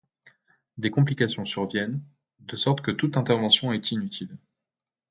Des complications surviennent, de sorte que toute intervention est inutile.